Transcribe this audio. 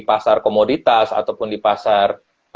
pasar komoditas ataupun di pasar